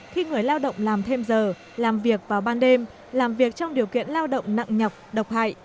khi người lao động làm thêm giờ làm việc vào ban đêm làm việc trong điều kiện lao động nặng nhọc độc hại